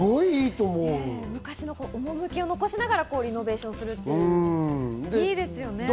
昔の趣を残しながらリノベーションする、いいですよね。